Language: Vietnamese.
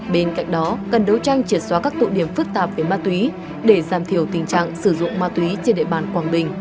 bên cạnh đó cần đấu tranh triệt xóa các tụ điểm phức tạp về ma túy để giảm thiểu tình trạng sử dụng ma túy trên địa bàn quảng bình